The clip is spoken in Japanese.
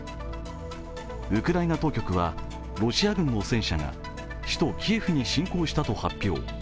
ウクライナ当局はロシア軍の戦車が首都キエフに侵攻したと発表。